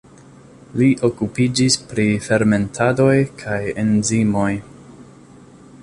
Li okupiĝis pri fermentadoj kaj enzimoj.